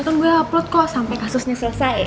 nanti gue upload kok sampe kasusnya selesai